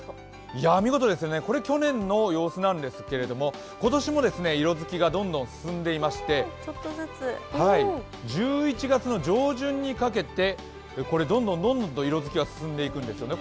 これ、去年の様子なんですけれども今年も色づきがどんどん進んでいまして、１１月の上旬にかけてどんどんと色づきが進んでいくんですね。